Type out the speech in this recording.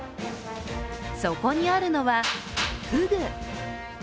そこにあるのは、フグ。